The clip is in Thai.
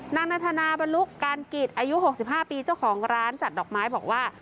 นานาธนาบรรลุการกิจอายุ๖๕ปีเจ้าของร้านจัดดอกไม้บอกว่า